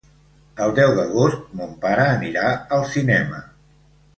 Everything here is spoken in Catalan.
El deu d'agost mon pare anirà al cinema.